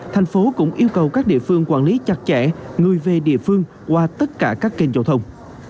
thành phố cũng yêu cầu các địa phương quản lý chặt chẽ người về địa phương qua tất cả các kênh giao thông